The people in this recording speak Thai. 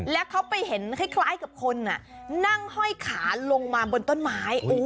แล้วเขาไปเห็นคล้ายกับคนนั่งห้อยขาลงมาบนต้นไม้